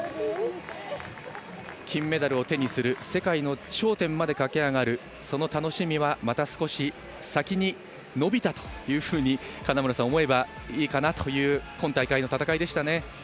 金メダルを手にする世界の頂点まで駆け上がるその楽しみはまた少し先に延びたというふうに金村さん、思えばいいかなという今大会の戦いでしたね。